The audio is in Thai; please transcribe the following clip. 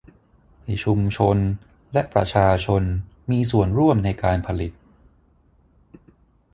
ให้ชุมชนและประชาชนมีส่วนร่วมในการผลิต